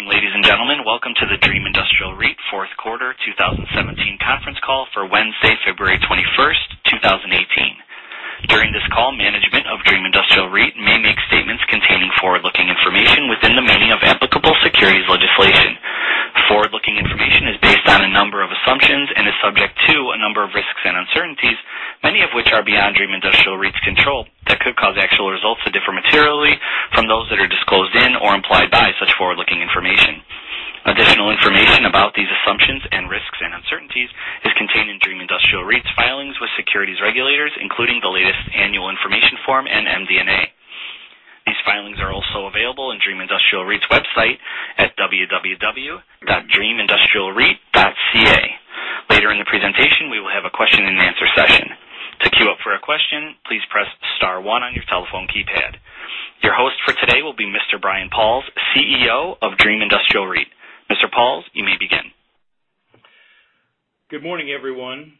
Good morning, ladies and gentlemen. Welcome to the Dream Industrial REIT Fourth Quarter 2017 conference call for Wednesday, February 21st, 2018. During this call, management of Dream Industrial REIT may make statements containing forward-looking information within the meaning of applicable securities legislation. Forward-looking information is based on a number of assumptions and is subject to a number of risks and uncertainties, many of which are beyond Dream Industrial REIT's control, that could cause actual results to differ materially from those that are disclosed in or implied by such forward-looking information. Additional information about these assumptions and risks and uncertainties is contained in Dream Industrial REIT's filings with securities regulators, including the latest annual information form and MD&A. These filings are also available in Dream Industrial REIT's website at www.dreamindustrialreit.ca. Later in the presentation, we will have a question and answer session. To queue up for a question, please press *1 on your telephone keypad. Your host for today will be Mr. Brian Pauls, CEO of Dream Industrial REIT. Mr. Pauls, you may begin. Good morning, everyone.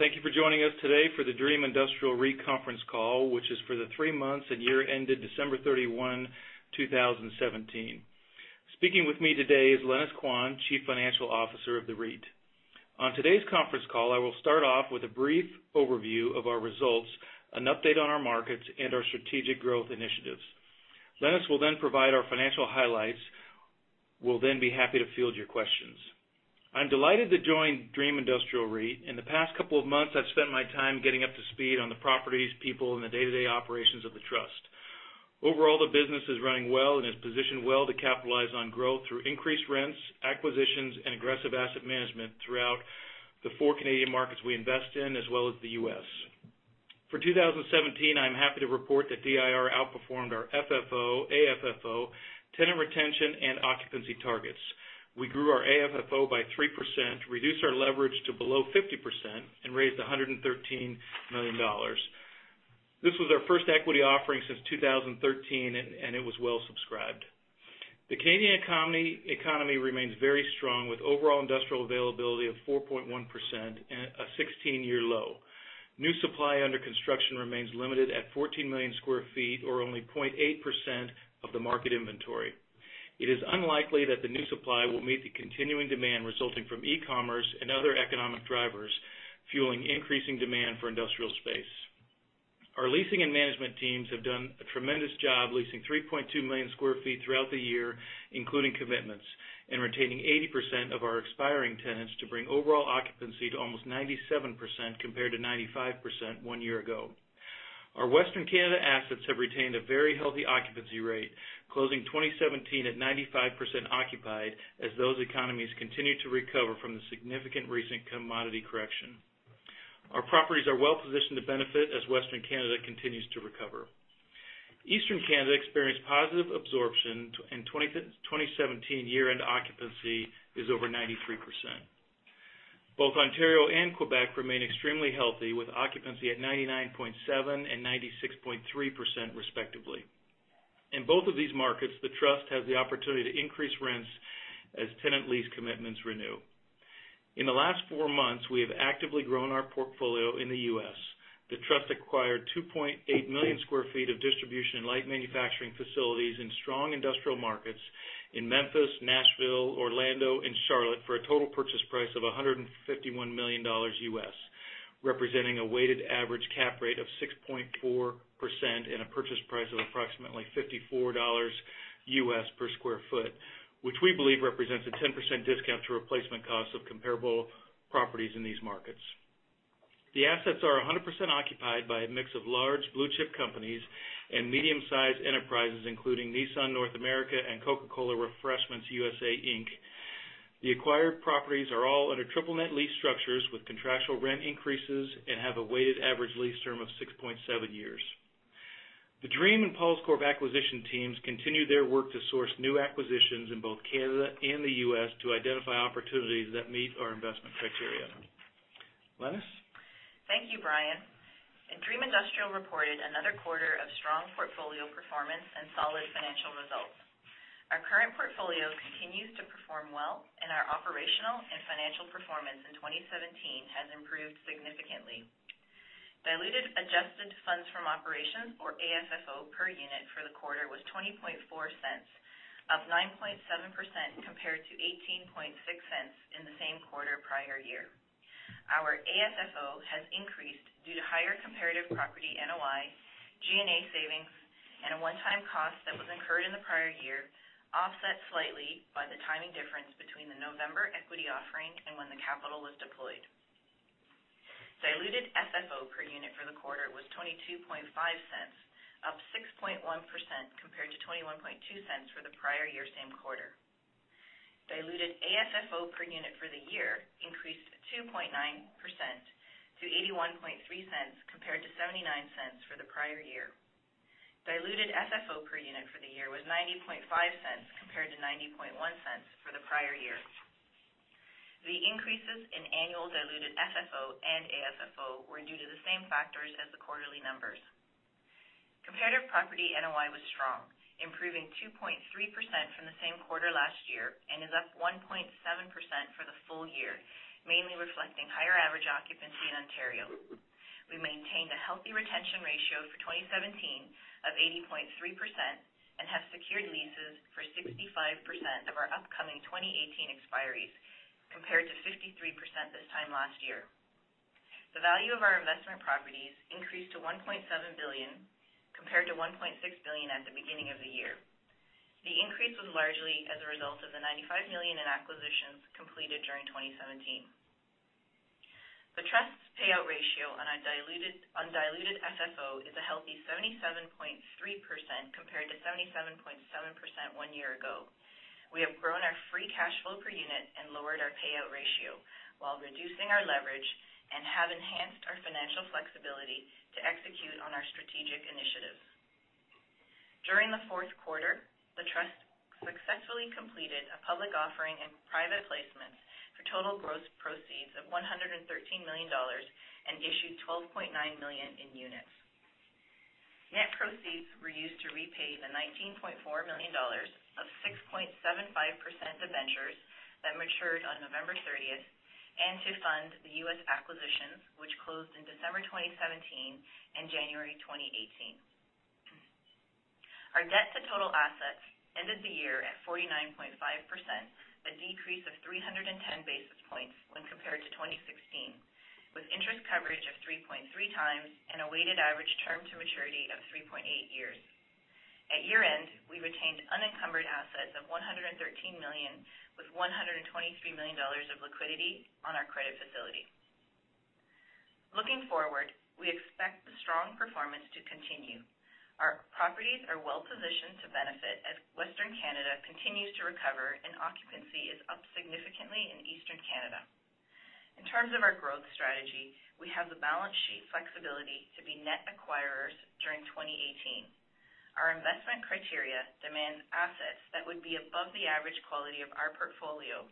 Thank you for joining us today for the Dream Industrial REIT conference call, which is for the three months and year ended December 31, 2017. Speaking with me today is Lenis Quan, Chief Financial Officer of the REIT. On today's conference call, I will start off with a brief overview of our results, an update on our markets, and our strategic growth initiatives. Lenis will then provide our financial highlights. We'll then be happy to field your questions. I'm delighted to join Dream Industrial REIT. In the past couple of months, I've spent my time getting up to speed on the properties, people, and the day-to-day operations of the trust. Overall, the business is running well and is positioned well to capitalize on growth through increased rents, acquisitions, and aggressive asset management throughout the four Canadian markets we invest in, as well as the U.S. For 2017, I am happy to report that DIR outperformed our FFO, AFFO, tenant retention, and occupancy targets. We grew our AFFO by 3%, reduced our leverage to below 50%, and raised 113 million dollars. This was our first equity offering since 2013, and it was well-subscribed. The Canadian economy remains very strong, with overall industrial availability of 4.1%, a 16-year low. New supply under construction remains limited at 14 million sq ft, or only 0.8% of the market inventory. It is unlikely that the new supply will meet the continuing demand resulting from e-commerce and other economic drivers, fueling increasing demand for industrial space. Our leasing and management teams have done a tremendous job leasing 3.2 million sq ft throughout the year, including commitments, and retaining 80% of our expiring tenants to bring overall occupancy to almost 97%, compared to 95% one year ago. Our Western Canada assets have retained a very healthy occupancy rate, closing 2017 at 95% occupied as those economies continue to recover from the significant recent commodity correction. Our properties are well-positioned to benefit as Western Canada continues to recover. Eastern Canada experienced positive absorption, and 2017 year-end occupancy is over 93%. Both Ontario and Quebec remain extremely healthy, with occupancy at 99.7% and 96.3%, respectively. In both of these markets, the trust has the opportunity to increase rents as tenant lease commitments renew. In the last four months, we have actively grown our portfolio in the U.S. The trust acquired 2.8 million square feet of distribution and light manufacturing facilities in strong industrial markets in Memphis, Nashville, Orlando, and Charlotte for a total purchase price of $151 million USD, representing a weighted average cap rate of 6.4% and a purchase price of approximately $54 USD per square foot, which we believe represents a 10% discount to replacement costs of comparable properties in these markets. The assets are 100% occupied by a mix of large blue-chip companies and medium-sized enterprises, including Nissan North America and Coca-Cola Refreshments USA Inc. The acquired properties are all under triple net lease structures with contractual rent increases and have a weighted average lease term of 6.7 years. The Dream and Pauls Corp acquisition teams continue their work to source new acquisitions in both Canada and the U.S. to identify opportunities that meet our investment criteria. Lenis? Thank you, Brian. Dream Industrial reported another quarter of strong portfolio performance and solid financial results. Our current portfolio continues to perform well, and our operational and financial performance in 2017 has improved significantly. Diluted adjusted funds from operations, or AFFO, per unit for the quarter was 0.204, up 9.7%, compared to 0.186 in the same quarter prior year. Our AFFO has increased due to higher comparative property NOI, G&A savings, and a one-time cost that was incurred in the prior year, offset slightly by the timing difference between the November equity offering and when the capital was deployed. Diluted FFO per unit for the quarter was 0.225, up 6.1%, compared to 0.212 for the prior year same quarter. Diluted AFFO per unit for the year increased 2.9% to 0.813 compared to 0.79 for the prior year. Diluted FFO per unit for the year was 0.905 compared to 0.901 for the prior year. The increases in annual diluted FFO and AFFO were due to the same factors as the quarterly numbers. Comparative property NOI was strong, improving 2.3% from the same quarter last year, and is up 1.9% full year, mainly reflecting higher average occupancy in Ontario. We maintained a healthy retention ratio for 2017 of 80.3%, and have secured leases for 65% of our upcoming 2018 expiries, compared to 53% this time last year. The value of our investment properties increased to 1.7 billion, compared to 1.6 billion at the beginning of the year. The increase was largely as a result of the 95 million in acquisitions completed during 2017. The Trust's payout ratio on undiluted FFO is a healthy 77.3%, compared to 77.7% one year ago. We have grown our free cash flow per unit and lowered our payout ratio while reducing our leverage, and have enhanced our financial flexibility to execute on our strategic initiatives. During the fourth quarter, the Trust successfully completed a public offering and private placements for total gross proceeds of 113 million dollars and issued 12.9 million in units. Net proceeds were used to repay the 19.4 million dollars of 6.75% debentures that matured on November 30th, and to fund the U.S. acquisitions, which closed in December 2017 and January 2018. Our debt to total assets ended the year at 49.5%, a decrease of 310 basis points when compared to 2016, with interest coverage of 3.3 times and a weighted average term to maturity of 3.8 years. At year-end, we retained unencumbered assets of 113 million with 123 million dollars of liquidity on our credit facility. Looking forward, we expect the strong performance to continue. Our properties are well-positioned to benefit as Western Canada continues to recover and occupancy is up significantly in Eastern Canada. In terms of our growth strategy, we have the balance sheet flexibility to be net acquirers during 2018. Our investment criteria demand assets that would be above the average quality of our portfolio,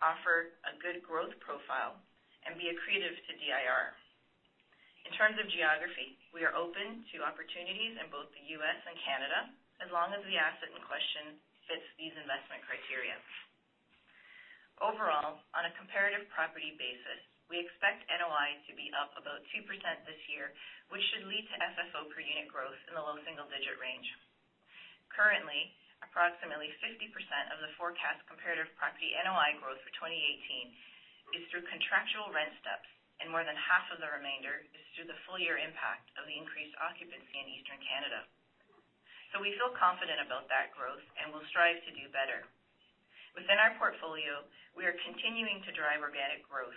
offer a good growth profile, and be accretive to DIR. In terms of geography, we are open to opportunities in both the U.S. and Canada, as long as the asset in question fits these investment criteria. Overall, on a comparative property basis, we expect NOI to be up about 2% this year, which should lead to FFO per unit growth in the low single-digit range. Currently, approximately 50% of the forecast comparative property NOI growth for 2018 is through contractual rent steps, and more than half of the remainder is through the full year impact of the increased occupancy in Eastern Canada. We feel confident about that growth and will strive to do better. Within our portfolio, we are continuing to drive organic growth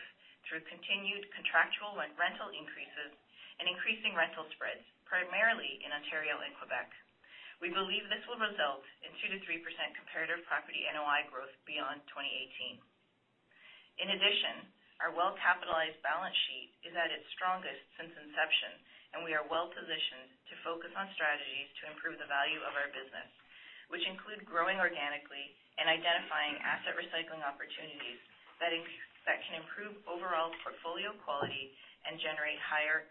through continued contractual and rental increases and increasing rental spreads, primarily in Ontario and Quebec. We believe this will result in 2%-3% comparative property NOI growth beyond 2018. In addition, our well-capitalized balance sheet is at its strongest since inception, and we are well-positioned to focus on strategies to improve the value of our business, which include growing organically and identifying asset recycling opportunities that can improve overall portfolio quality and generate higher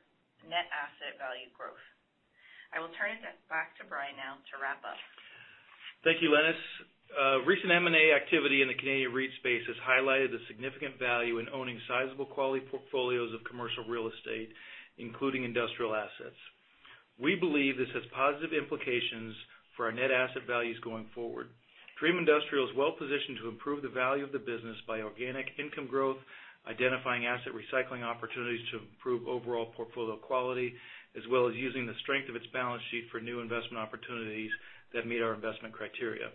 net asset value growth. I will turn it back to Brian now to wrap up. Thank you, Lenis. Recent M&A activity in the Canadian REIT space has highlighted the significant value in owning sizable quality portfolios of commercial real estate, including industrial assets. We believe this has positive implications for our net asset values going forward. Dream Industrial is well-positioned to improve the value of the business by organic income growth, identifying asset recycling opportunities to improve overall portfolio quality, as well as using the strength of its balance sheet for new investment opportunities that meet our investment criteria.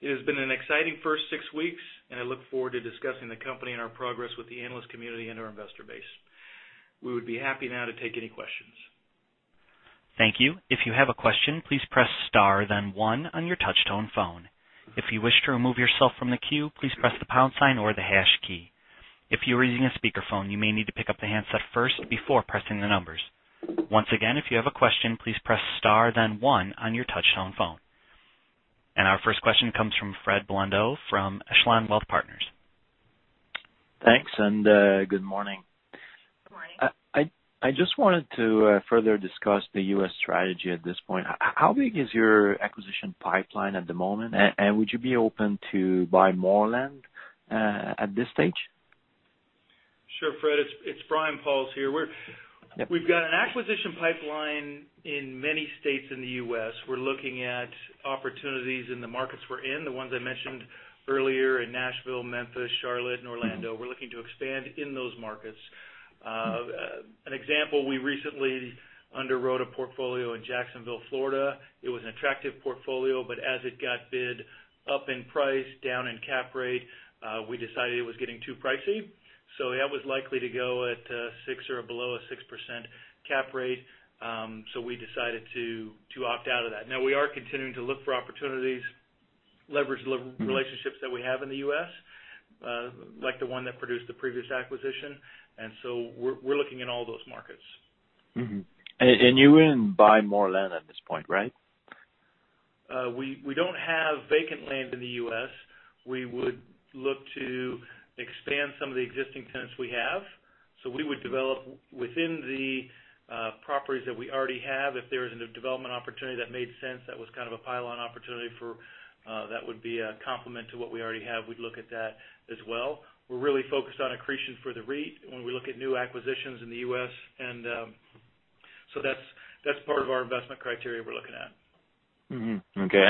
It has been an exciting first six weeks, and I look forward to discussing the company and our progress with the analyst community and our investor base. We would be happy now to take any questions. Thank you. If you have a question, please press star then one on your touchtone phone. If you wish to remove yourself from the queue, please press the pound sign or the hash key. If you are using a speakerphone, you may need to pick up the handset first before pressing the numbers. Once again, if you have a question, please press star then one on your touchtone phone. Our first question comes from Fred Blondeau from Echelon Wealth Partners. Thanks, good morning. Good morning. I just wanted to further discuss the U.S. strategy at this point. How big is your acquisition pipeline at the moment, would you be open to buy more land, at this stage? Sure, Fred, it's Brian Pauls here. Yep. We've got an acquisition pipeline in many states in the U.S. We're looking at opportunities in the markets we're in, the ones I mentioned earlier in Nashville, Memphis, Charlotte, and Orlando. We're looking to expand in those markets. An example, we recently underwrote a portfolio in Jacksonville, Florida. It was an attractive portfolio, but as it got bid up in price, down in cap rate, we decided it was getting too pricey. That was likely to go at a 6% or below a 6% cap rate, so we decided to opt out of that. Now, we are continuing to look for opportunities, leverage the relationships that we have in the U.S., like the one that produced the previous acquisition. We're looking in all those markets. Mm-hmm. You wouldn't buy more land at this point, right? We don't have vacant land in the U.S. We would look to expand some of the existing tenants we have So we would develop within the properties that we already have. If there was a new development opportunity that made sense, that was a pylon opportunity that would be a complement to what we already have, we'd look at that as well. We're really focused on accretion for the REIT when we look at new acquisitions in the U.S., so that's part of our investment criteria we're looking at. Mm-hmm. Okay.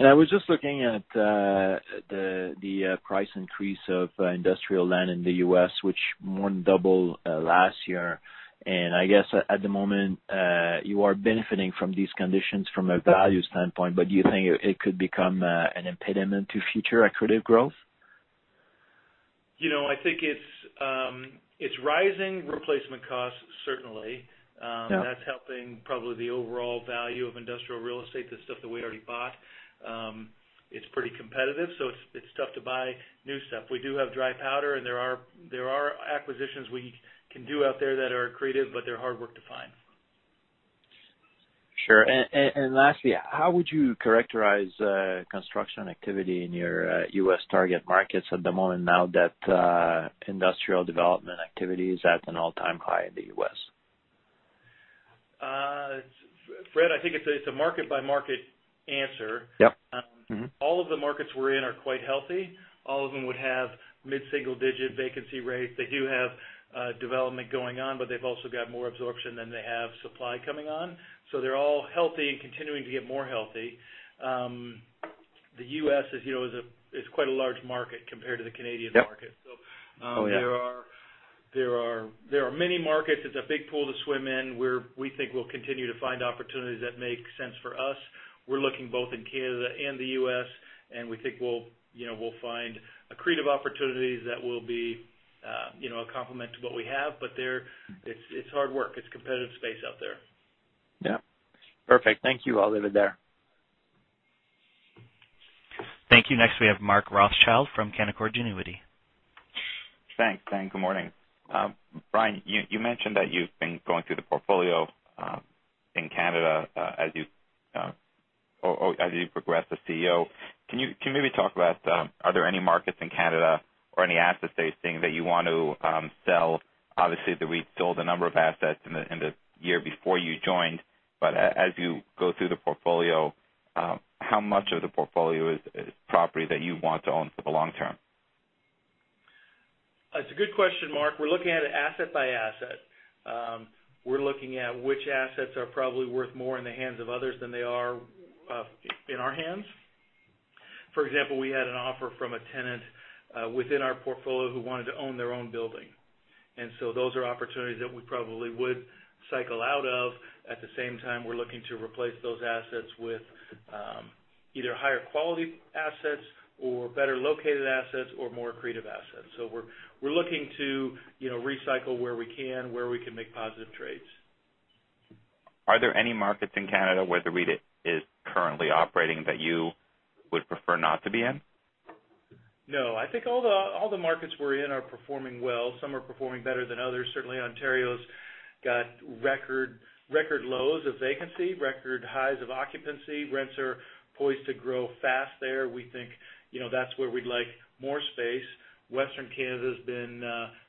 I was just looking at the price increase of industrial land in the U.S., which more than doubled last year. I guess at the moment, you are benefiting from these conditions from a value standpoint, but do you think it could become an impediment to future accretive growth? I think it's rising replacement costs, certainly. Yeah. That's helping probably the overall value of industrial real estate, the stuff that we already bought. It's pretty competitive, so it's tough to buy new stuff. We do have dry powder, there are acquisitions we can do out there that are accretive, they're hard work to find. Sure. Lastly, how would you characterize construction activity in your U.S. target markets at the moment now that industrial development activity is at an all-time high in the U.S.? Fred, I think it's a market-by-market answer. Yep. Mm-hmm. All of the markets we're in are quite healthy. All of them would have mid-single-digit vacancy rates. They do have development going on, but they've also got more absorption than they have supply coming on. They're all healthy and continuing to get more healthy. The U.S., as you know, is quite a large market compared to the Canadian market. Yep. Oh, yeah. There are many markets. It's a big pool to swim in, where we think we'll continue to find opportunities that make sense for us. We're looking both in Canada and the U.S., and we think we'll find accretive opportunities that will be a complement to what we have. But it's hard work. It's a competitive space out there. Yep. Perfect. Thank you. I'll leave it there. Thank you. Next, we have Mark Rothschild from Canaccord Genuity. Thanks. Good morning. Brian, you mentioned that you've been going through the portfolio in Canada as you progress as CEO. Can you maybe talk about, are there any markets in Canada or any asset-based things that you want to sell? Obviously, the REIT sold a number of assets in the year before you joined. As you go through the portfolio, how much of the portfolio is property that you want to own for the long term? It's a good question, Mark. We're looking at it asset by asset. We're looking at which assets are probably worth more in the hands of others than they are in our hands. For example, we had an offer from a tenant within our portfolio who wanted to own their own building. Those are opportunities that we probably would cycle out of. At the same time, we're looking to replace those assets with either higher quality assets or better located assets or more accretive assets. We're looking to recycle where we can, where we can make positive trades. Are there any markets in Canada where the REIT is currently operating that you would prefer not to be in? No. I think all the markets we're in are performing well. Some are performing better than others. Certainly, Ontario's got record lows of vacancy, record highs of occupancy. Rents are poised to grow fast there. We think that's where we'd like more space. Western Canada's been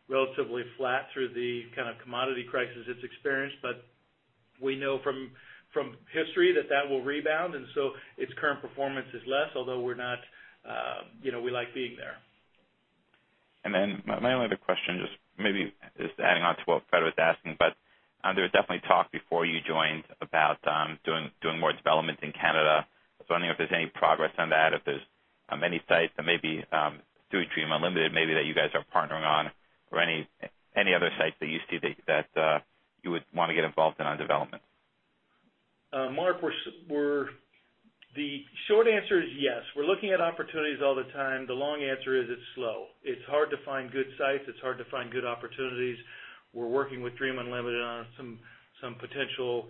relatively flat through the commodity crisis it's experienced, but we know from history that that will rebound, its current performance is less, although we like being there. My only other question, just maybe just adding on to what Fred was asking, there was definitely talk before you joined about doing more developments in Canada. I don't know if there's any progress on that, if there's any sites that maybe through Dream Unlimited, maybe, that you guys are partnering on or any other sites that you see that you would want to get involved in on development. Mark, the short answer is yes. We're looking at opportunities all the time. The long answer is it's slow. It's hard to find good sites. It's hard to find good opportunities. We're working with Dream Unlimited on some potential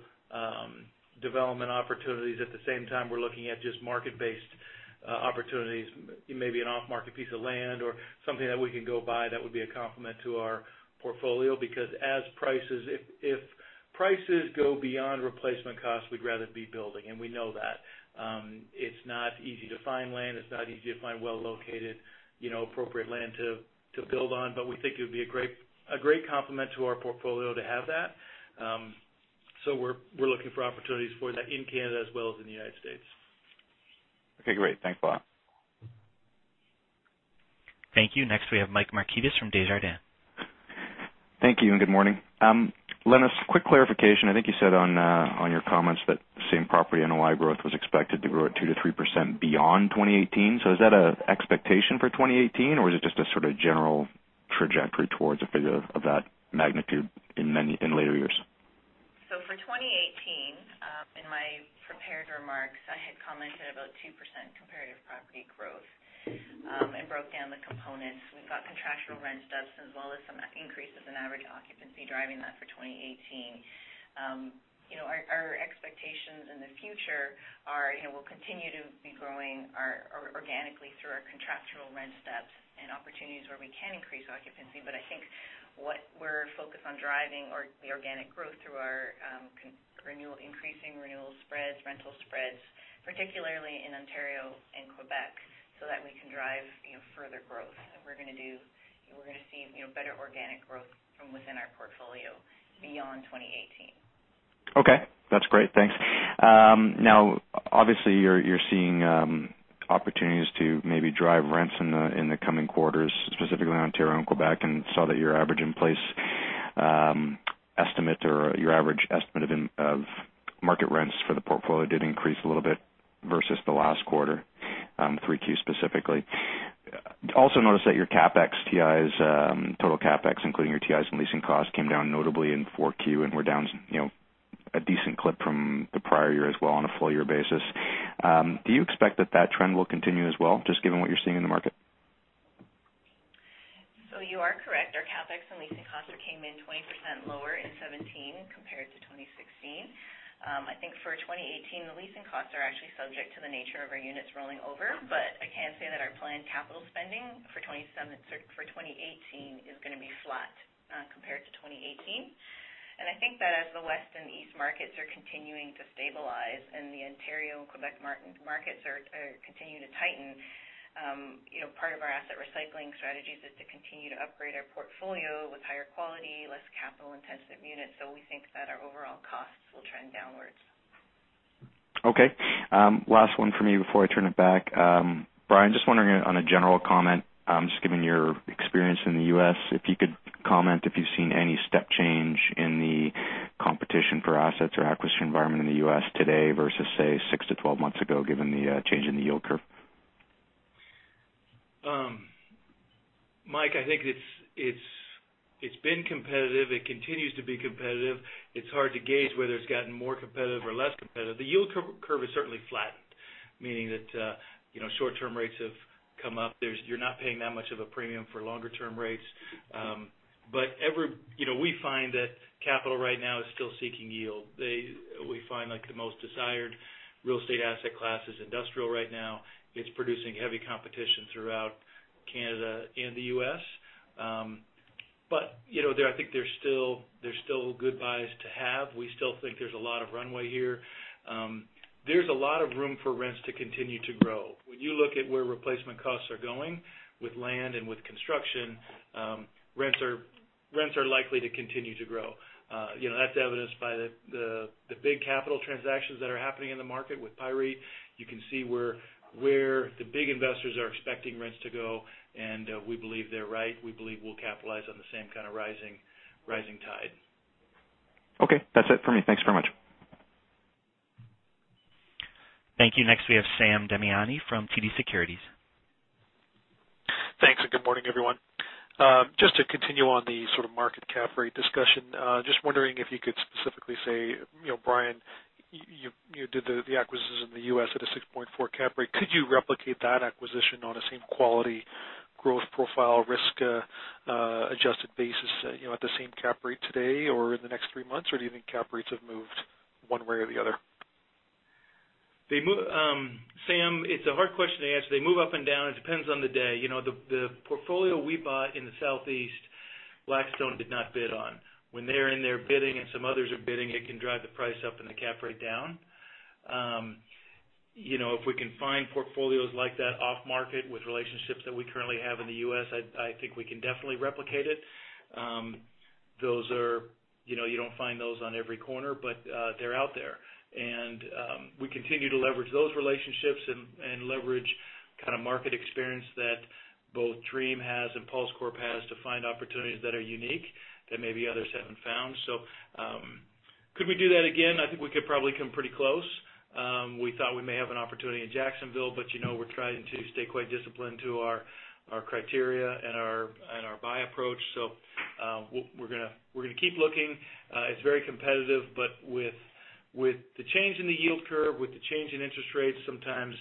development opportunities. At the same time, we're looking at just market-based opportunities, maybe an off-market piece of land or something that we can go buy that would be a complement to our portfolio, because if prices go beyond replacement costs, we'd rather be building, and we know that. It's not easy to find land. It's not easy to find well-located, appropriate land to build on, but we think it would be a great complement to our portfolio to have that. We're looking for opportunities for that in Canada as well as in the United States. Okay, great. Thanks a lot. Thank you. Next, we have Mike Markidis from Desjardins. Thank you, and good morning. Lenis, quick clarification. I think you said on your comments that same property NOI growth was expected to grow at 2% to 3% beyond 2018. Is that an expectation for 2018, or is it just a sort of general trajectory towards a figure of that magnitude in later years? For 2018, in my prepared remarks, I had commented about 2% comparative property growth and broke down the components. We've got contractual rent steps as well as some increases in average occupancy driving that for 2018. Our expectations in the future are we'll continue to be growing organically through our contractual rent steps and opportunities where we can increase occupancy. I think what we're focused on driving the organic growth through our increasing renewal spreads, rental spreads, particularly in Ontario and Quebec, so that we can drive further growth. We're going to see better organic growth from within our portfolio beyond 2018. Okay. That's great. Thanks. Obviously, you're seeing opportunities to maybe drive rents in the coming quarters, specifically Ontario and Quebec, and saw that your average in place estimate or your average estimate of market rents for the portfolio did increase a little bit versus the last quarter, 3Q specifically. Also noticed that your CapEx TIs, total CapEx, including your TIs and leasing costs, came down notably in 4Q and were down a decent clip from the prior year as well on a full year basis. Do you expect that trend will continue as well, just given what you're seeing in the market? You are correct. Our CapEx and leasing costs came in 20% lower in 2017 compared to 2016. I think for 2018, the leasing costs are actually subject to the nature of our units rolling over. I can say that our planned capital spending for 2018 is going to be flat compared to 2017. I think that as the West and East markets are continuing to stabilize and the Ontario and Quebec markets are continuing to tighten, part of our asset recycling strategies is to continue to upgrade our portfolio with higher quality, less capital-intensive units. We think that our overall costs will trend downwards. Okay. Last one for me before I turn it back. Brian, just wondering on a general comment, just given your experience in the U.S., if you could comment if you've seen any step change in the competition for assets or acquisition environment in the U.S. today versus, say, six to 12 months ago, given the change in the yield curve. Mike, I think it's been competitive. It continues to be competitive. It's hard to gauge whether it's gotten more competitive or less competitive. The yield curve has certainly flattened, meaning that short-term rates have come up. You're not paying that much of a premium for longer-term rates. We find that capital right now is still seeking yield. We find the most desired real estate asset class is industrial right now. It's producing heavy competition throughout Canada and the U.S. I think there's still good buys to have. We still think there's a lot of runway here. There's a lot of room for rents to continue to grow. When you look at where replacement costs are going with land and with construction, rents are likely to continue to grow. That's evidenced by the big capital transactions that are happening in the market with PIRET. You can see where the big investors are expecting rents to go. We believe they're right. We believe we'll capitalize on the same kind of rising tide. Okay. That's it for me. Thanks very much. Thank you. Next we have Sam Damiani from TD Securities. Thanks. Good morning, everyone. To continue on the sort of market cap rate discussion, wondering if you could specifically say, Brian, you did the acquisition in the U.S. at a 6.4 cap rate. Could you replicate that acquisition on a same quality growth profile risk-adjusted basis at the same cap rate today or in the next three months? Do you think cap rates have moved one way or the other? Sam, it's a hard question to answer. They move up and down. It depends on the day. The portfolio we bought in the Southeast, Blackstone did not bid on. When they're in there bidding and some others are bidding, it can drive the price up and the cap rate down. If we can find portfolios like that off-market with relationships that we currently have in the U.S., I think we can definitely replicate it. You don't find those on every corner, but they're out there. We continue to leverage those relationships and leverage kind of market experience that both DREAM has and Pauls Corp has to find opportunities that are unique that maybe others haven't found. Could we do that again? I think we could probably come pretty close. We thought we may have an opportunity in Jacksonville. We're trying to stay quite disciplined to our criteria and our buy approach. We're going to keep looking. It's very competitive. With the change in the yield curve, with the change in interest rates, sometimes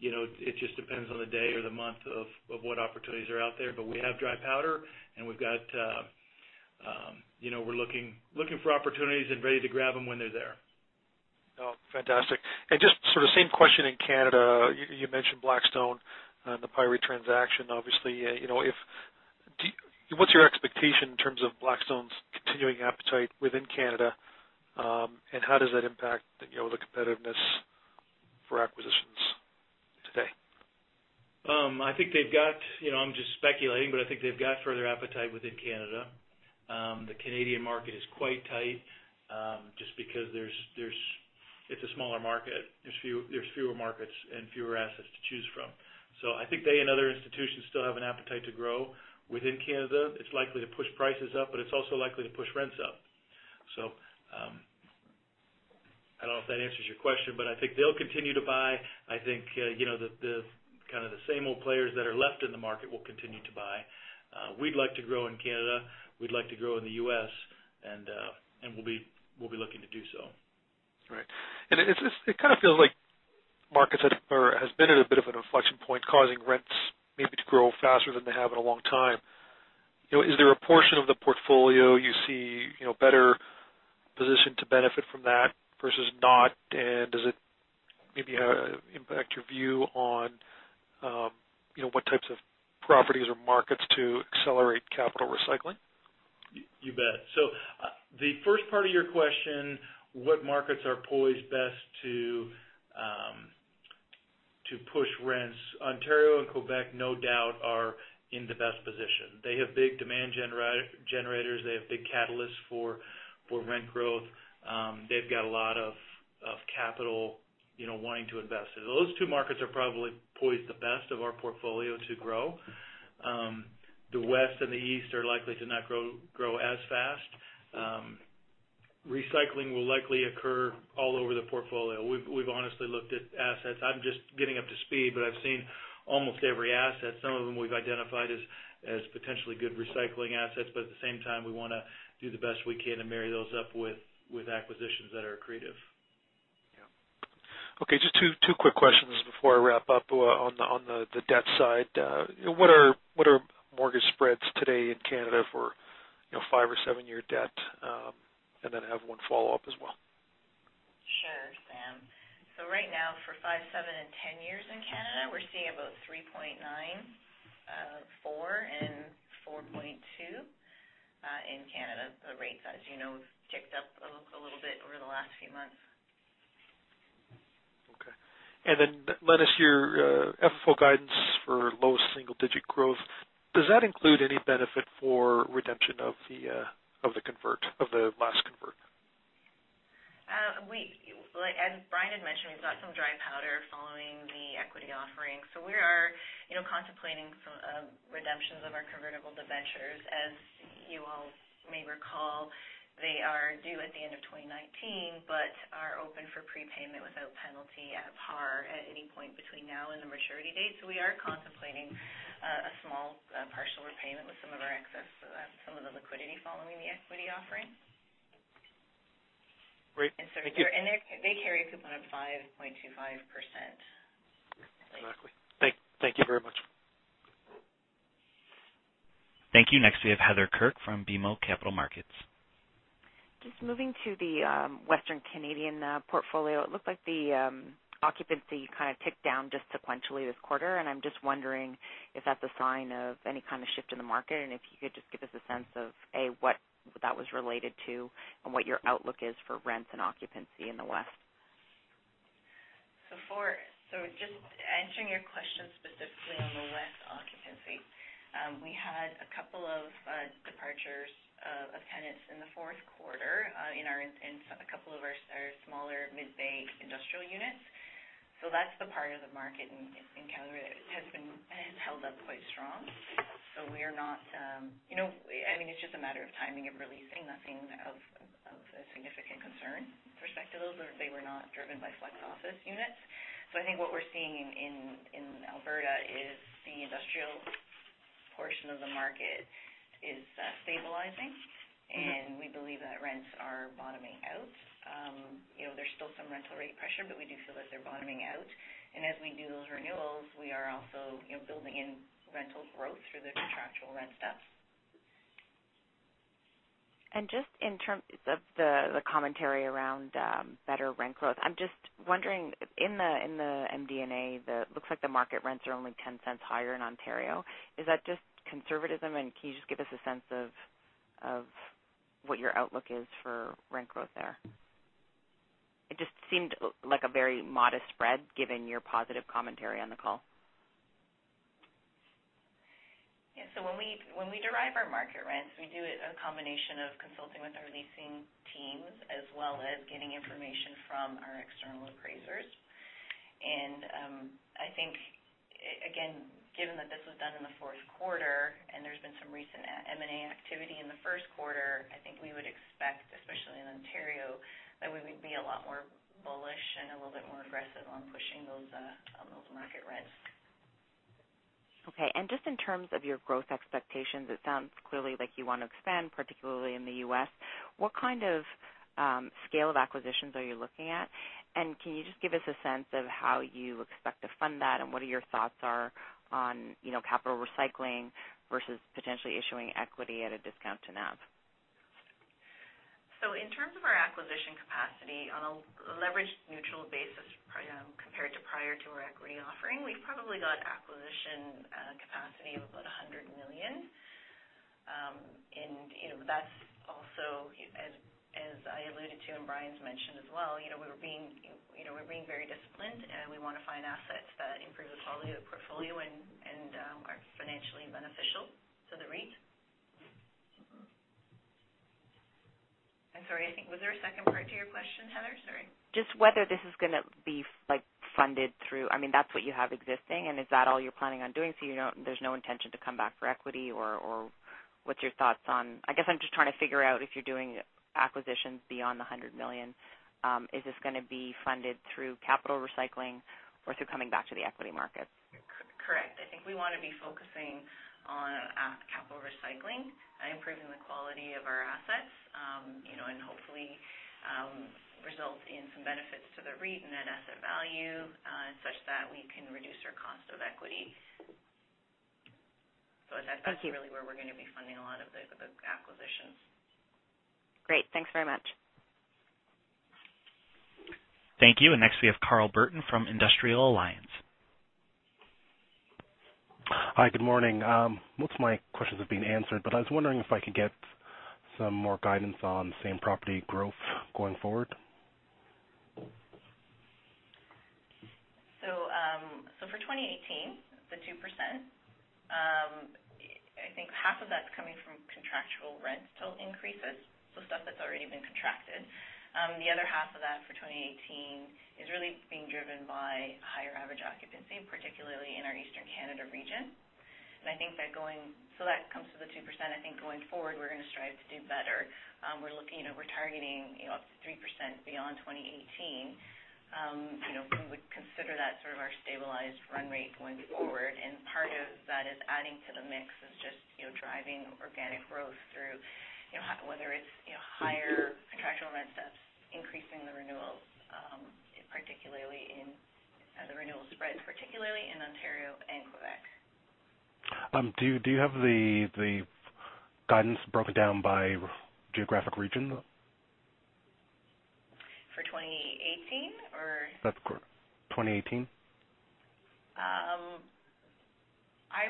it just depends on the day or the month of what opportunities are out there. We have dry powder, and we're looking for opportunities and ready to grab them when they're there. Fantastic. Just sort of same question in Canada. You mentioned Blackstone and the PIRET transaction, obviously. What's your expectation in terms of Blackstone's continuing appetite within Canada? How does that impact the competitiveness for acquisitions today? I'm just speculating, but I think they've got further appetite within Canada. The Canadian market is quite tight. Just because it's a smaller market, there's fewer markets and fewer assets to choose from. I think they and other institutions still have an appetite to grow within Canada. It's likely to push prices up, but it's also likely to push rents up. I don't know if that answers your question, but I think they'll continue to buy. I think the kind of the same old players that are left in the market will continue to buy. We'd like to grow in Canada. We'd like to grow in the U.S., and we'll be looking to do so. Right. It kind of feels like markets has been at a bit of an inflection point, causing rents maybe to grow faster than they have in a long time. Is there a portion of the portfolio you see better positioned to benefit from that versus not? Does it maybe impact your view on what types of properties or markets to accelerate capital recycling? You bet. The first part of your question, what markets are poised best to push rents. Ontario and Quebec, no doubt, are in the best position. They have big demand generators, they have big catalysts for rent growth. They've got a lot of capital wanting to invest. Those two markets are probably poised the best of our portfolio to grow. The West and the East are likely to not grow as fast. Recycling will likely occur all over the portfolio. We've honestly looked at assets. I'm just getting up to speed, but I've seen almost every asset. Some of them we've identified as potentially good recycling assets, but at the same time, we want to do the best we can and marry those up with acquisitions that are accretive. Yeah. Okay, just two quick questions before I wrap up. On the debt side, what are mortgage spreads today in Canada for five or seven-year debt? Then I have one follow-up as well. Sure, Sam. Right now, for five, seven, and 10 years in Canada, we're seeing about 3.9%, 4%, and 4.2% in Canada. The rates, as you know, have ticked up a little bit over the last few months. Okay. Lenis, your FFO guidance for low single-digit growth, does that include any benefit for redemption of the last convert? As Brian had mentioned, we've got some dry powder following the equity offering. We are contemplating some redemptions of our convertible debentures. As you all may recall, they are due at the end of 2019 but are open for prepayment without penalty at par at any point between now and the maturity date. We are contemplating a small partial repayment with some of our excess, some of the liquidity following the equity offering. Great. Thank you. They carry a coupon of 5.25%. Exactly. Thank you very much. Thank you. Next, we have Heather Kirk from BMO Capital Markets. Just moving to the Western Canadian portfolio, it looked like the occupancy kind of ticked down just sequentially this quarter, and I'm just wondering if that's a sign of any kind of shift in the market, and if you could just give us a sense of, A, what that was related to and what your outlook is for rents and occupancy in the West. Just answering your question specifically on the West occupancy. We had a couple of departures of tenants in the fourth quarter in a couple of our smaller mid-bay industrial units. That's the part of the market in Calgary that has held up quite strong. It's just a matter of timing of releasing, nothing of a significant concern perspective. Those were not driven by flex office units. I think what we're seeing in Alberta is the industrial portion of the market is stabilizing, and we believe that rents are bottoming out. There's still some rental rate pressure, but we do feel that they're bottoming out. As we do those renewals, we are also building in rental growth through the contractual rent steps. Just in terms of the commentary around better rent growth, I'm just wondering, in the MD&A, looks like the market rents are only 0.10 higher in Ontario. Is that just conservatism, and can you just give us a sense of what your outlook is for rent growth there? It just seemed like a very modest spread given your positive commentary on the call. Yeah. When we derive our market rents, we do a combination of consulting with our leasing teams as well as getting information from our external appraisers. I think, again, given that this was done in the fourth quarter and there's been some recent M&A activity in the first quarter, I think we would expect, especially in Ontario, that we would be a lot more bullish and a little bit more aggressive on pushing on those market rents. Okay, just in terms of your growth expectations, it sounds clearly like you want to expand, particularly in the U.S. What kind of scale of acquisitions are you looking at? Can you just give us a sense of how you expect to fund that, and what your thoughts are on capital recycling versus potentially issuing equity at a discount to NAV? In terms of our acquisition capacity on a leveraged neutral basis compared to prior to our equity offering, we've probably got acquisition capacity of about 100 million. That's also, as I alluded to and Brian's mentioned as well, we're being very disciplined, and we want to find assets that improve the quality of the portfolio and are financially beneficial to the REIT. I'm sorry, I think, was there a second part to your question, Heather? Sorry. Just whether this is going to be funded through what you have existing, and is that all you're planning on doing? There's no intention to come back for equity, or what's your thoughts on I guess I'm just trying to figure out if you're doing acquisitions beyond the 100 million. Is this going to be funded through capital recycling or through coming back to the equity market? Correct. I think we want to be focusing on capital recycling and improving the quality of our assets, and hopefully result in some benefits to the REIT and net asset value, such that we can reduce our cost of equity. Thank you. that's really where we're going to be funding a lot of the acquisitions. Great. Thanks very much. Thank you. Next we have Carl Burton from Industrial Alliance. Hi, good morning. Most of my questions have been answered, I was wondering if I could get some more guidance on same property growth going forward. For 2018, the 2%, I think half of that's coming from contractual rental increases, so stuff that's already been contracted. The other half of that for 2018 is really being driven by higher average occupancy, particularly in our Eastern Canada region. That comes to the 2%. I think going forward, we're going to strive to do better. We're targeting up to 3% beyond 2018. We would consider that sort of our stabilized run rate going forward. Part of that is adding to the mix is just driving organic growth through whether it's higher contractual rent steps, increasing the renewals spread, particularly in Ontario and Quebec. Do you have the guidance broken down by geographic region, though? For 2018 or? That's correct. 2018. I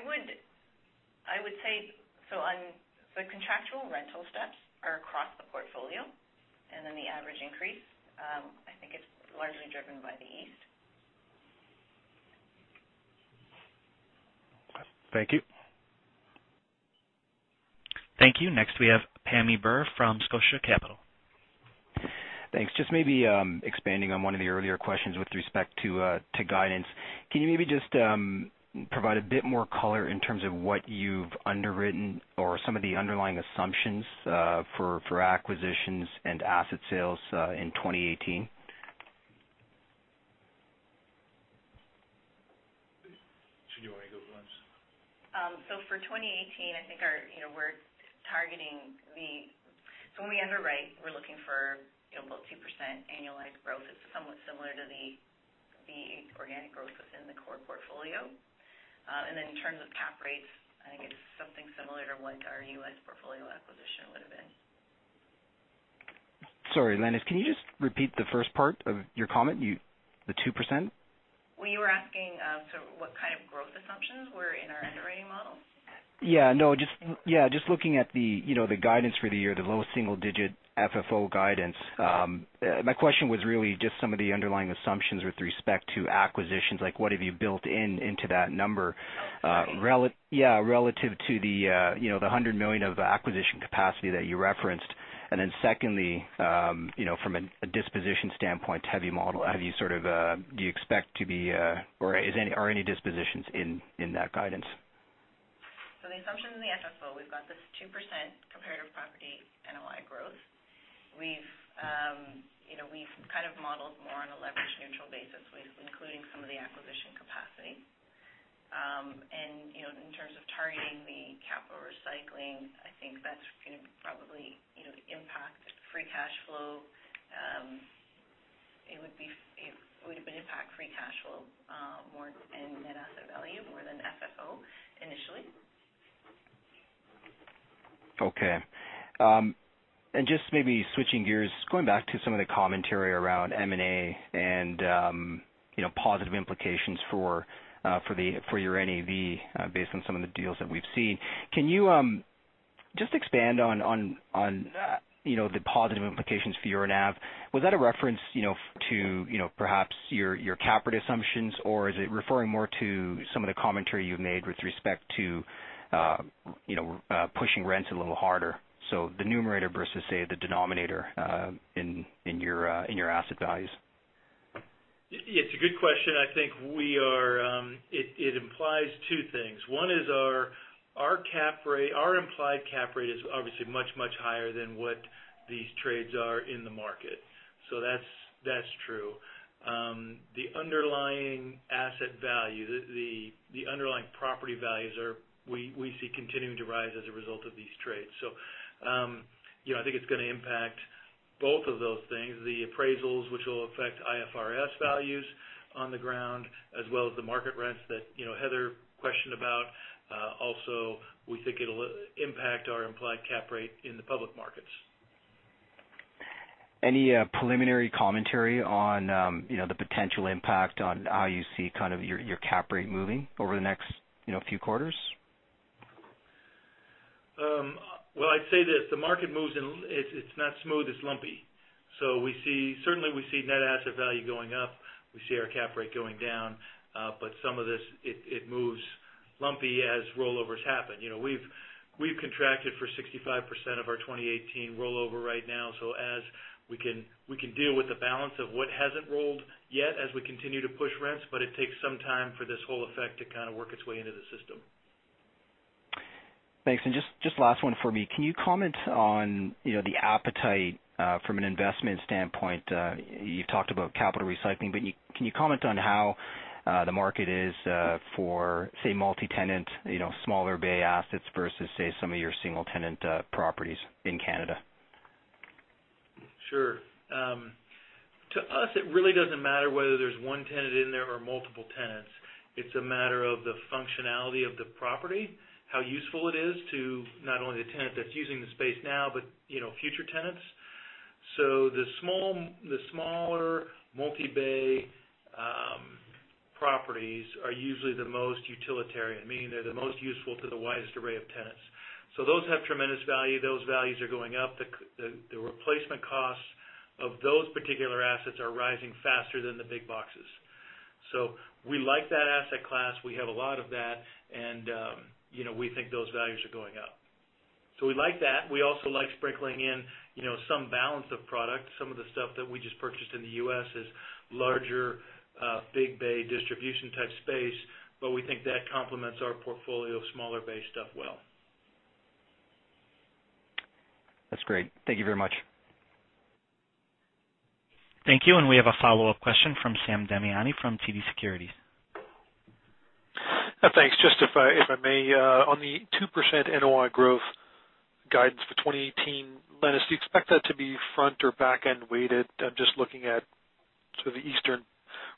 would say, contractual rental steps are across the portfolio, the average increase, I think it's largely driven by the East. Thank you. Thank you. Next, we have Pammi Bir from Scotia Capital. Thanks. Just maybe expanding on one of the earlier questions with respect to guidance. Can you maybe just provide a bit more color in terms of what you've underwritten or some of the underlying assumptions for acquisitions and asset sales in 2018? Do you want to go for this? For 2018, when we underwrite, we're looking for about 2% annualized growth. It's somewhat similar to the organic growth within the core portfolio. In terms of cap rates, I think it's something similar to what our U.S. portfolio acquisition would've been. Sorry, Lenis, can you just repeat the first part of your comment? The 2%? Well, you were asking so what kind of growth assumptions were in our underwriting models? just looking at the guidance for the year, the low single-digit FFO guidance. My question was really just some of the underlying assumptions with respect to acquisitions, like what have you built into that number? Right relative to the 100 million of acquisition capacity that you referenced. Secondly, from a disposition standpoint, do you expect to be or are any dispositions in that guidance? The assumptions in the FFO, we've got this 2% comparative property NOI growth. We've modeled more on a leverage-neutral basis. We've including some of the acquisition capacity. In terms of targeting the capital recycling, I think that's going to probably impact free cash flow. It would impact free cash flow more in net asset value more than FFO initially. Okay. Just maybe switching gears, going back to some of the commentary around M&A and positive implications for your NAV based on some of the deals that we've seen. Can you just expand on the positive implications for your NAV? Was that a reference to perhaps your cap rate assumptions, or is it referring more to some of the commentary you've made with respect to pushing rents a little harder? The numerator versus, say, the denominator in your asset values. It's a good question. I think it implies two things. One is our implied cap rate is obviously much, much higher than what these trades are in the market. That's true. The underlying asset value, the underlying property values, we see continuing to rise as a result of these trades. I think it's going to impact both of those things, the appraisals, which will affect IFRS values on the ground, as well as the market rents that Heather questioned about. Also, we think it'll impact our implied cap rate in the public markets. Any preliminary commentary on the potential impact on how you see your cap rate moving over the next few quarters? Well, I'd say this. The market moves and it's not smooth, it's lumpy. Certainly we see net asset value going up. We see our cap rate going down. Some of this, it moves lumpy as rollovers happen. We've contracted for 65% of our 2018 rollover right now, so as we can deal with the balance of what hasn't rolled yet as we continue to push rents. It takes some time for this whole effect to kind of work its way into the system. Thanks. Just last one for me. Can you comment on the appetite from an investment standpoint? You've talked about capital recycling, but can you comment on how the market is for, say, multi-tenant, smaller bay assets versus, say, some of your single-tenant properties in Canada? Sure. To us, it really doesn't matter whether there's one tenant in there or multiple tenants. It's a matter of the functionality of the property, how useful it is to not only the tenant that's using the space now, but future tenants. The smaller multi-bay properties are usually the most utilitarian, meaning they're the most useful to the widest array of tenants. Those have tremendous value. Those values are going up. The replacement costs of those particular assets are rising faster than the big boxes. We like that asset class. We have a lot of that, and we think those values are going up. We like that. We also like sprinkling in some balance of product. Some of the stuff that we just purchased in the U.S. is larger, big bay distribution-type space, but we think that complements our portfolio of smaller bay stuff well. That's great. Thank you very much. Thank you. We have a follow-up question from Sam Damiani from TD Securities. Thanks. Just if I may, on the 2% NOI growth guidance for 2018, Lenis, do you expect that to be front or back-end weighted? I'm just looking at sort of the eastern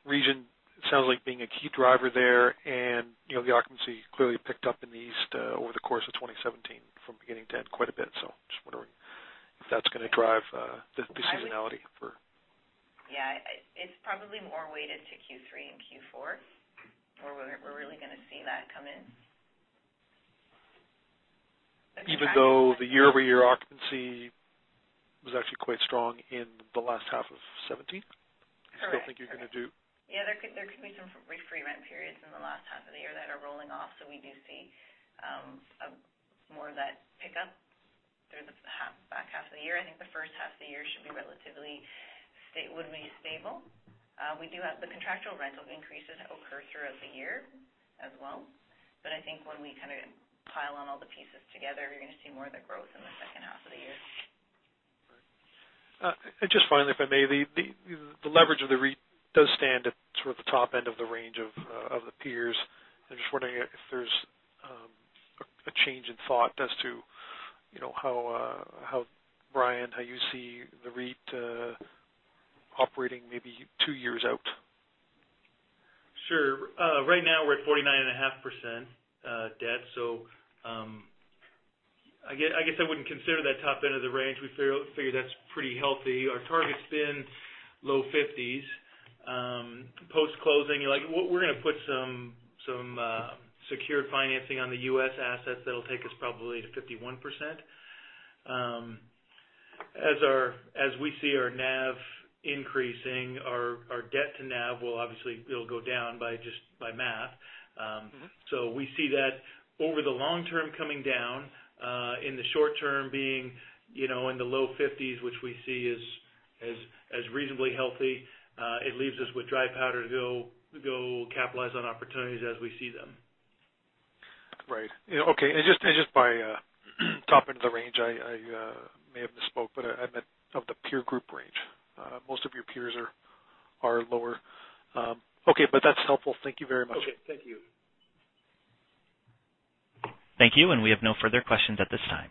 region, sounds like being a key driver there, and the occupancy clearly picked up in the east over the course of 2017 from beginning to end quite a bit. I'm just wondering if that's going to drive the seasonality for Yeah. It's probably more weighted to Q3 and Q4, where we're really going to see that come in. Even though the year-over-year occupancy was actually quite strong in the last half of 2017? Correct. You still think you're going to do? Yeah, there could be some rent-free periods in the last half of the year that are rolling off. We do see more of that pickup through the back half of the year. I think the first half of the year should be relatively stable. We do have the contractual rental increases occur through the year as well. I think when we kind of pile on all the pieces together, you're going to see more of the growth in the second half of the year. Just finally, if I may, the leverage of the REIT does stand at sort of the top end of the range of the peers. I'm just wondering if there's a change in thought as to, Brian, how you see the REIT operating maybe two years out. Sure. Right now, we're at 49.5% debt. I guess I wouldn't consider that top end of the range. We figure that's pretty healthy. Our target's been low 50s. Post-closing, we're going to put some secured financing on the U.S. assets that'll take us probably to 51%. We see our NAV increasing, our debt to NAV will obviously go down by math. We see that over the long term coming down, in the short term being in the low 50s, which we see as reasonably healthy. It leaves us with dry powder to go capitalize on opportunities as we see them. Right. Okay. Just by top end of the range, I may have misspoke, but I meant of the peer group range. Most of your peers are lower. Okay, that's helpful. Thank you very much. Okay. Thank you. Thank you. We have no further questions at this time.